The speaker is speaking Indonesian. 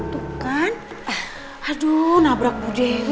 tuh kan aduh nabrak bu dewi